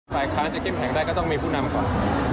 ฝ่ายค้านจะเข้มแข็งได้ก็ต้องมีผู้นำก่อน